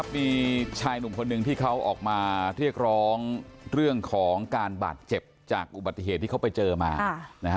มีชายหนุ่มคนหนึ่งที่เขาออกมาเรียกร้องเรื่องของการบาดเจ็บจากอุบัติเหตุที่เขาไปเจอมานะฮะ